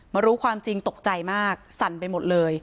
รู้ความจริงตกใจมากสั่นไปหมดเลย